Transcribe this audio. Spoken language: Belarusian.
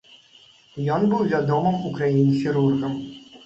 Ён быў вядомым у краіне хірургам.